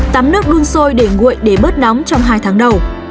tắm nước đun sôi để nguội để bớt nóng trong hai tháng đầu